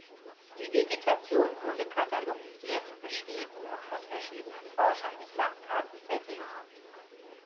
Die Vegetation wurde katalogisiert, beschrieben und von verschiedenen Forschern mit Landkarten versehen.